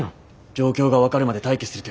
状況が分かるまで待機するとや？